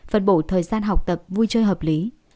phân bổ thời gian học tập vui chơi hợp lý